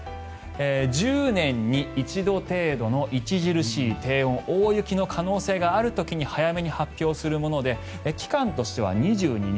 １０年に一度程度の著しい低温大雪の可能性がある時に早めに発表するもので期間としては２２日